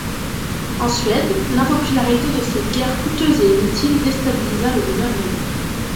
En Suède, l'impopularité de cette guerre coûteuse et inutile déstabilisa le gouvernement.